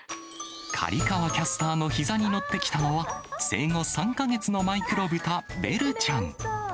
刈川キャスターのひざに乗ってきたのは、生後３か月のマイクロブタ、ベルちゃん。